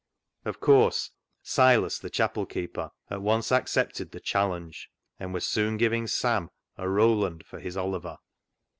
Of course Silas, the chapel keeper, at once 312 CLOG SHOP CHRONICLES accepted the challenge, and was soon giving Sam a Roland for his Oliver.